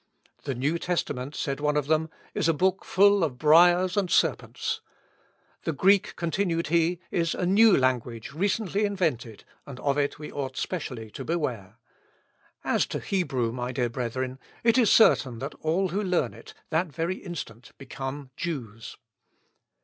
"The New Testament," said one of them, "is a book full of briers and serpents. "The Greek," continued he, "is a new language recently invented, and of it we ought specially to beware. As to Hebrew, my dear brethren, it is certain that all who learn it, that very instant become Jews."